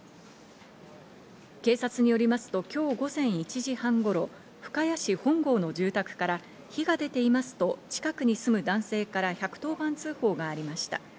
警察によりますと、今日午前１時半頃、深谷市本郷の住宅から火が出ていますと近くに住む男性から１１０番通報がありました。